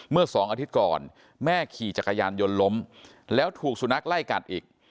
เมื่อสองอาทิตย์ก่อนแม่ขี่จักรยานยนต์ล้มแล้วถูกสุนัขไล่กัดอีก